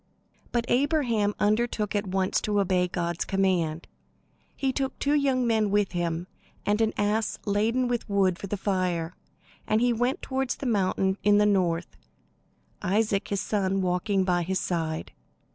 But Abraham undertook at once to obey. God's command. He took two young men with him and an ass laden with wood for the fire; and he went toward the mountain in the north, Isaac, his son, walking by his side.